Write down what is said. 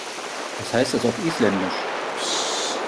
Was heißt das auf Isländisch?